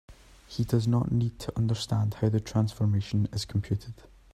He does not need to understand how the transformation is computed.